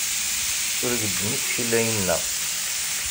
Ur gezzem isekla-inna.